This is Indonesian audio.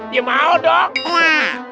ya mau dong